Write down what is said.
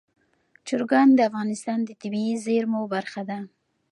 چرګان د افغانستان د طبیعي زیرمو برخه ده.